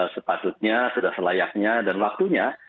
sepatutnya sudah selayaknya dan waktunya